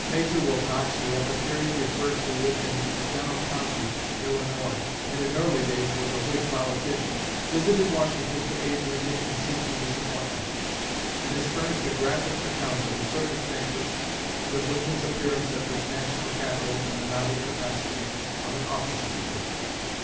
Major Wilcox, who at the period referred to lived in McDonough County, Illinois, and in early days was a Whig politician, visited Washington to aid Lincoln in seeking this appointment, and has furnished a graphic account of the circumstances and of Lincoln's appearance at the national capital in the novel capacity of an office seeker.